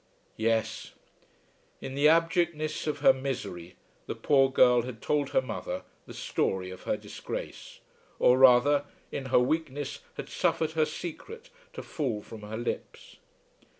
Yes. In the abjectness of her misery the poor girl had told her mother the story of her disgrace; or, rather, in her weakness had suffered her secret to fall from her lips.